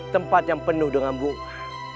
tempat yang penuh dengan bunga